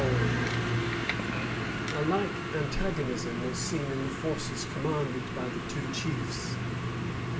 A like antagonism was seen in the forces commanded by the two chiefs.